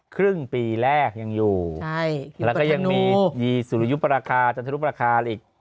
ครึ่งปีแรกยังอยู่ใช่แล้วก็ยังมียีสุริยุปราคาจันทรุปราคาอีก